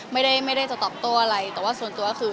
ไม่ได้ไม่ได้จะตอบโต้อะไรแต่ว่าส่วนตัวคือ